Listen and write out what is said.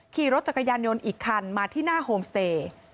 ขี่รถจักรยานยนต์อีกคันมาที่หน้าโฮมสเตย์